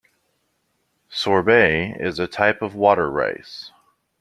Sorbet is a type of water ice